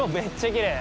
きれい。